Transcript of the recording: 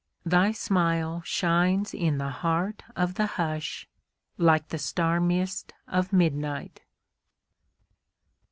Thy smile shines in the heart of the hush like the star mist of midnight.